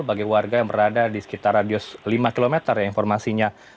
bagi warga yang berada di sekitar radius lima km ya informasinya